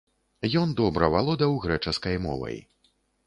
Ён добра валодаў грэчаскай мовай.